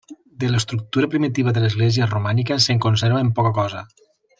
De l'estructura primitiva de l'església romànica se'n conserva ben poca cosa.